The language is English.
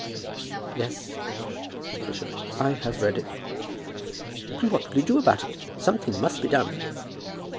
"Yes," said the bishop; "I have read it." "And what will you do about it? Something must be done."